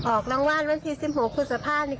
ออกรางวัลวันที่๑๖พฤษภานี้